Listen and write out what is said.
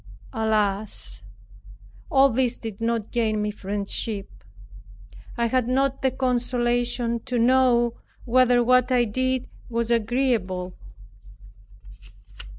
Alas! all this did not gain me friendship. I had not the consolation to know whether what I did was agreeable.